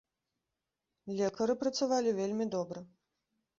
Лекары працавалі вельмі добра.